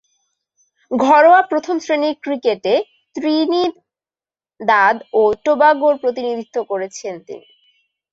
ঘরোয়া প্রথম-শ্রেণীর ক্রিকেটে ত্রিনিদাদ ও টোবাগোর প্রতিনিধিত্ব করছেন তিনি।